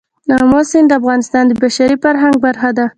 آمو سیند د افغانستان د بشري فرهنګ برخه ده.